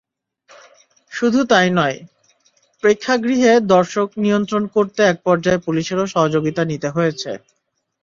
শুধু তাই নয়, প্রেক্ষাগৃহে দর্শক নিয়ন্ত্রণ করতে একপর্যায়ে পুলিশেরও সহযোগিতা নিতে হয়েছে।